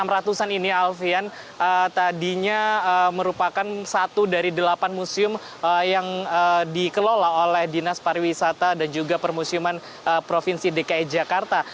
enam ratus an ini alfian tadinya merupakan satu dari delapan museum yang dikelola oleh dinas pariwisata dan juga permusiuman provinsi dki jakarta